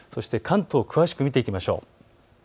関東を詳しく見ていきましょう。